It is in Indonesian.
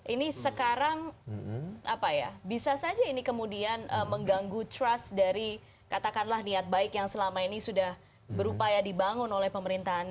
ini sekarang apa ya bisa saja ini kemudian mengganggu trust dari katakanlah niat baik yang selama ini sudah berupaya dibangun oleh pemerintahan